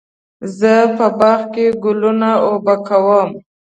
زه په باغ کې ګلونه اوبه کوم.